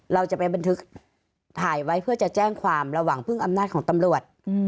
เราจะไปบันทึกถ่ายไว้เพื่อจะแจ้งความระหว่างพึ่งอำนาจของตำรวจ